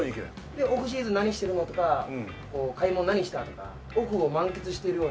でオフシーズン何してるのとか買い物何したとかオフを満喫しているような。